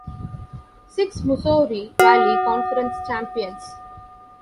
Six Missouri Valley Conference Champions.